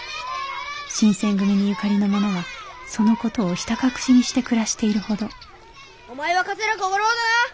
新選組にゆかりの者はその事をひた隠しにして暮らしているほどお前は桂小五郎だな？